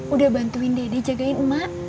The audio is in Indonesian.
udah bantuin dede jagain emak